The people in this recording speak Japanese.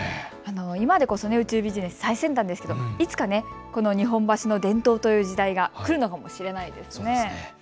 今でこそ宇宙ビジネス最先端ですがいつか、この日本橋の伝統という時代が来るのかもしれないですね。